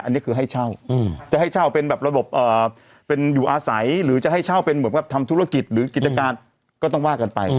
อันนี้คือให้เช่าจะให้เช่าเป็นแบบระบบเป็นอยู่อาศัยหรือจะให้เช่าเป็นเหมือนกับทำธุรกิจหรือกิจการก็ต้องว่ากันไป